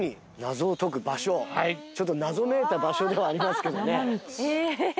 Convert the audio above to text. ちょっと謎めいた場所ではありますけどね。